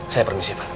saya permisi pak